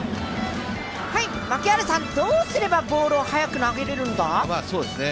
槙原さん、どうすればボールを速く投げれるんだ？